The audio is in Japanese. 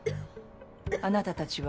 あなたたちは？